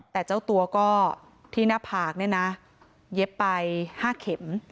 แต่เจ้าตัวก็ที่หน้าผากเนี่ยนะเย็บไป๕เข็ม